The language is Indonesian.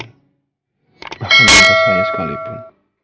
bahkan untuk saya sekalipun